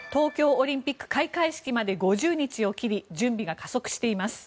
オリンピック開会式まで５０日を切り準備が加速しています。